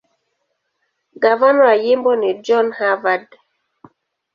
Gavana wa jimbo ni John Harvard.